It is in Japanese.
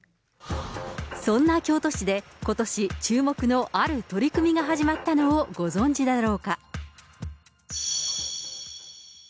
そんな京都市でことし、注目のある取り組みが始まったのをご存じだろうか。